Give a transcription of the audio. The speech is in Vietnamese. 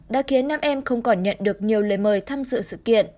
đã khiến nam em không còn nhận được nhiều lời mời tham dự sự kiện